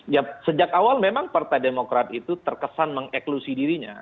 ya sejak awal memang partai demokrat itu terkesan mengeklusi dirinya